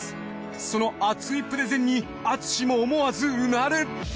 その熱いプレゼンに淳も思わずうなる。